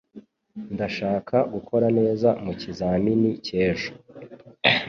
Ndashaka gukora neza mukizamini cy'ejo.